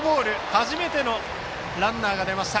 初めてのランナーが出ました。